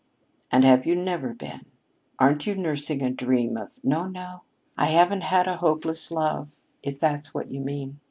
"And have you never been? Aren't you nursing a dream of " "No, no; I haven't had a hopeless love if that's what you mean.